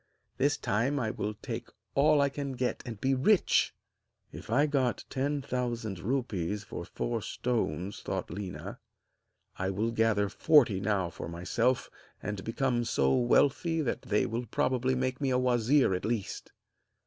This time I will take all I can get and be rich!' 'If I got ten thousand rupees for four stones,' thought Léna, 'I will gather forty now for myself, and become so wealthy that they will probably make me a wazir at least!'